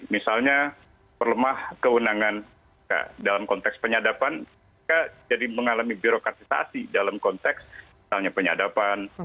misalnya perlemah keunangan dalam konteks penyadapan jadi mengalami birokrasisasi dalam konteks penyadapan